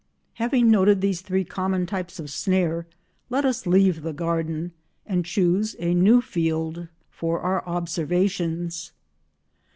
Having noted these three common types of snare, let us leave the garden and choose a new field for our observations.